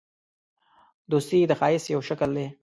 دوستي د ښایست یو شکل دی.